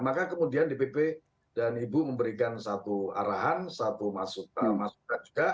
maka kemudian dpp dan ibu memberikan satu arahan satu masukan juga